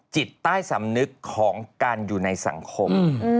จิตใต้สำนึกของการอยู่ในสังคม